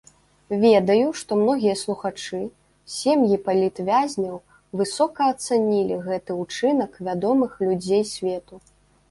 Ведаю, што многія слухачы, сем'і палітвязняў высока ацанілі гэты ўчынак вядомых людзей свету.